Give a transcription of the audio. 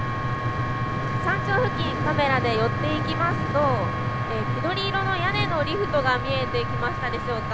山頂付近、カメラで寄っていきますと緑色の屋根のリフトが見えてきましたでしょうか。